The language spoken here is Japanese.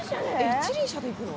一輪車で行くの？